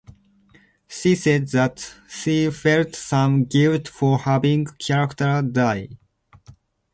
She said that she felt some guilt for having characters die.